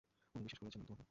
উনি বিশ্বাস করেছেন তোমাকে।